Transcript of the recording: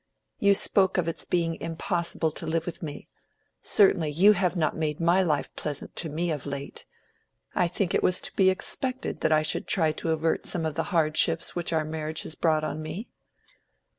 You spoke of its being impossible to live with me. Certainly you have not made my life pleasant to me of late. I think it was to be expected that I should try to avert some of the hardships which our marriage has brought on me."